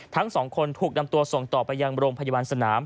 ทั้งสองคนถูกนำตัวส่งต่อไปยังโรงพยาบาลสนาม